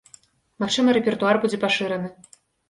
Магчыма, рэпертуар будзе пашыраны.